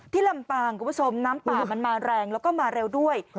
ลำปางคุณผู้ชมน้ำป่ามันมาแรงแล้วก็มาเร็วด้วย